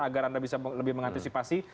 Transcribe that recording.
agar anda bisa lebih mengantisipasi